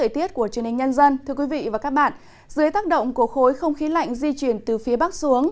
thưa quý vị và các bạn dưới tác động của khối không khí lạnh di chuyển từ phía bắc xuống